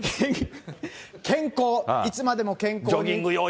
健康、いつまでも健康でいたい。